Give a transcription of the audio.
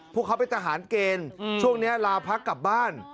พวกเขาเป็นทหารเกณฑ์ช่วงนี้ลาพักกลับบ้าน